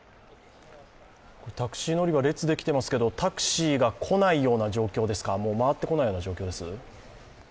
タクシー乗り場、列できていますけれども、タクシーが来ないような状況ですか、回ってこないような状況です？